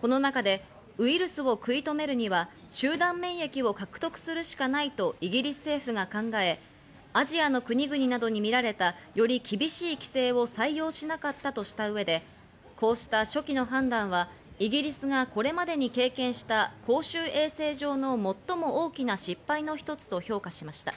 この中でウイルスを食い止めるには、集団免疫を獲得するしかないとイギリス政府が考え、アジアの国々などに見られた、より厳しい規制を採用しなかったとした上で、こうした初期の判断はイギリスはこれまでに経験した公衆衛生上の最も大きな失敗の一つと評価しました。